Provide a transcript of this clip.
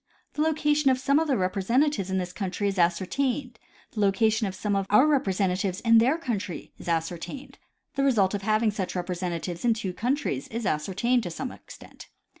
The location of some of their reiDresentatives in this country is ascertained ; the location of some of our rep resentatives in their country is ascertained ; the result of having such representatives in two countries is ascertained to some extent.